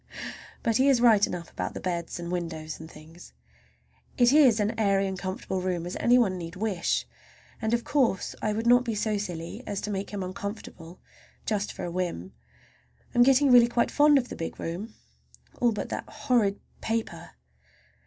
But he is right enough about the beds and windows and things. It is as airy and comfortable a room as any one need wish, and, of course, I would not be so silly as to make him uncomfortable just for a whim. I'm really getting quite fond of the big room, all but that horrid paper.